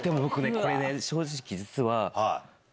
これね正直実は。